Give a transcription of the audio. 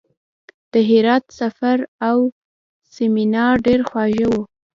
د هرات سفر او سیمینار ډېر خواږه وو.